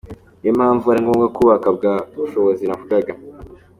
Niyo mpamvu ari ngombwa kubaka bwa bushobozi navugaga.